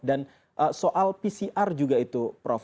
dan soal pcr juga itu prof